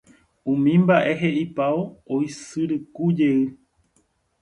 Umi mba'e he'ipávo oisyrykujey